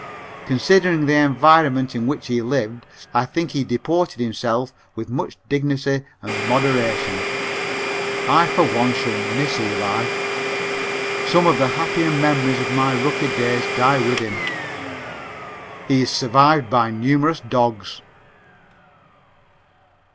Considering the environment in which he lived, I think he deported himself with much dignity and moderation. I for one shall miss Eli. Some of the happier memories of my rookie days die with him. He is survived by numerous dogs.